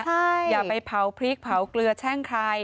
ใช่อย่าไปเผาพริกเผาเกลือแช่งใคร